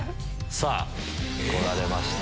さぁ来られました。